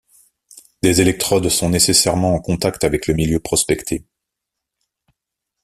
Des électrodes sont nécessairement en contact avec le milieu prospecté.